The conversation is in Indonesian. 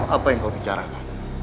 apa yang kau bicarakan